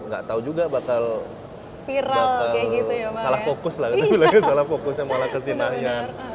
gak tau juga bakal salah fokus lah malah kesinahnya